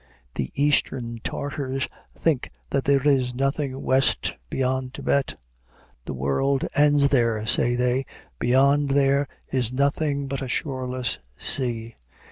The eastern Tartars think that there is nothing west beyond Thibet. "The world ends there," say they, "beyond there is nothing but a shoreless sea."